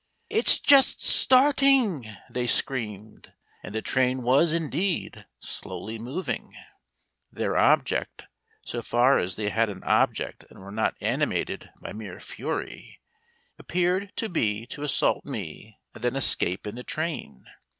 "It's just starting!" they screamed, and the train was, indeed, slowly moving. Their object so far as they had an object and were not animated by mere fury appeared to be to assault me and then escape in the train.